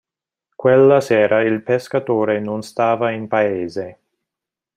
Quella sera il pescatore non stava in paese.